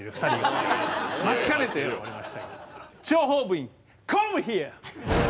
待ちかねておりましたけども諜報部員コムヒア！